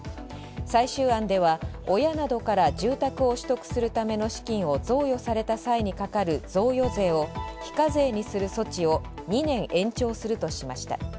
最終案では親などから住宅を取得するための資金を贈与された際にかかる贈与税を非課税にする措置を２年延長するとしました。